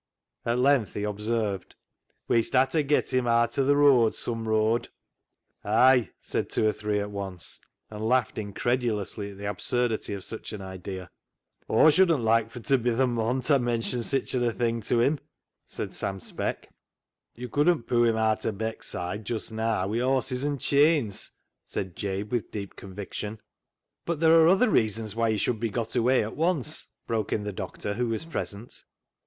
At length he observed —" Wee'st ha' ta get him aat o' th' rooad some rooad." " Ay !" said two or three at once, and laughed incredulously at the absurdity of such an idea. " Aw shouldn't loike fur t' be th' mon ta men tion sitchen a thing to him," said Sam Speck. "THE ZEAL OF THINE HOUSE" 355 " Yo' couldn't poo' him aat o' Beckside just naa wi' horses an' cheynes " (chains), said Jabe with deep conviction. " But there are other reasons why he should be got away at once," broke in the doctor, who was present.